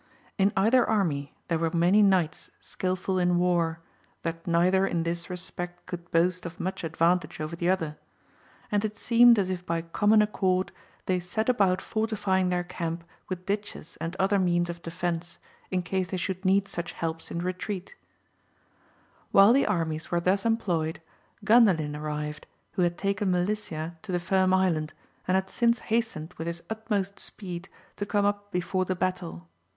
In either army there were many knights skilful in war, that neither in this re spect could boast of much advantage over the other ; and it seemed as if by common accord they set about fortifying their camp with ditches and other means of defence, in case they should need such helps in re treat. 170 AMADIS OF GAUL. While the armies were thus employed Gandalin ar rived, who had taken Melicia to the Firm Island, and had since hastened with his utmost speed to come up before the battle.